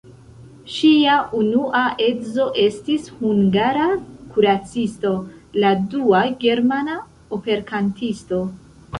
Ŝia unua edzo estis hungara kuracisto, la dua germana operkantisto.